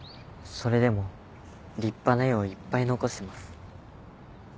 それでも立派な絵をいっぱい残してます。